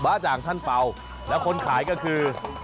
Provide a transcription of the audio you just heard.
จ่างท่านเป่าแล้วคนขายก็คือ